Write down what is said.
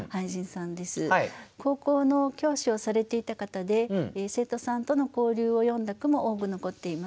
高校の教師をされていた方で生徒さんとの交流を詠んだ句も多く残っています。